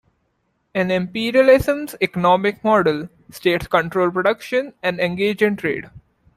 In "Imperialism"'s economic model, states controls production and engage in trade.